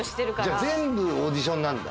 じゃあ全部オーディションなんだ。